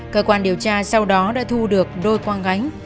cơ quan điều tra sau đó đã thu được đôi quang gánh